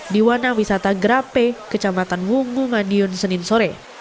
di wana wisata grape kecamatan wungu madiun senin sore